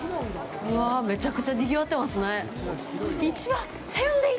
めちゃくちゃにぎわってますね。